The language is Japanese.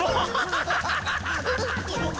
ハハハハ！